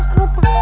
kau mau kemana